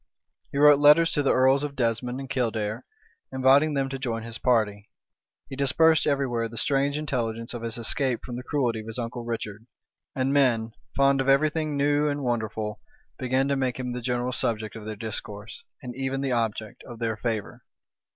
He wrote letters to the earls of Desmond and Kildare, inviting them to join his party: he dispersed every where the strange intelligence of his escape from the cruelty of his uncle Richard: and men, fond of every thing new and wonderful, began to make him the general subject of their discourse, and even the object of their favor.